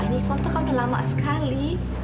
ini foto kan udah lama sekali